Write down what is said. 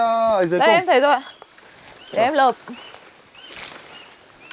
đây em thấy rồi ạ